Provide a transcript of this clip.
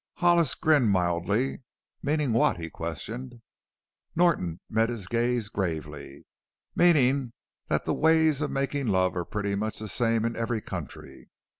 Hollis grinned mildly. "Meaning what?" he questioned. Norton met his gaze gravely. "Meanin' that the ways of makin' love are pretty much the same in every country."